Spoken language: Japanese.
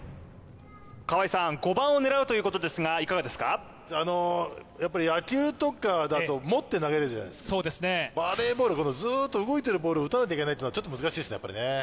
川合さん５番を狙うということですがいかがですか野球とかだと持って投げるじゃないですかバレーボールはずっと動いてるボールを打たなきゃいけないというのはちょっと難しいですね